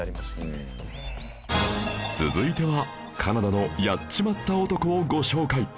続いてはカナダのやっちまった男をご紹介